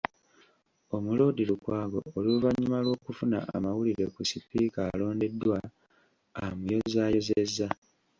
Omuloodi Lukwago oluvannyuma lw’okufuna amawulire ku sipiika alondeddwa, amuyozaayozezza